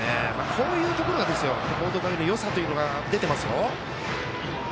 こういうところが報徳学園のよさというのが出てますよ。